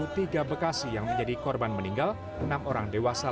tapi yang satu kuliah di sini takkan bisa